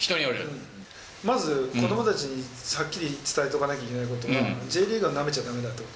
まず子どもたちに、はっきり伝えておかなきゃいけないということは、Ｊリーグはなめちゃだめだと。